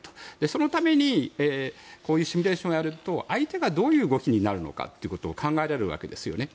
そのために、こういうシミュレーションをすると相手がどういう動きになるかということを考えられるわけですよね。